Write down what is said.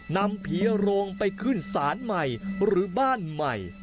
นำผีโรงไปขึ้นศาลใหม่หรือบ้านใหม่